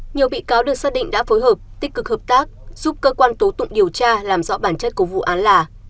nhiều bị cáo được xác định đã phối hợp tích cực hợp tác giúp cơ quan tố tụng điều tra làm rõ bản chất của vụ án là